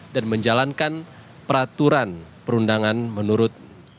dan menjalankan peraturan perundangan menurut ahli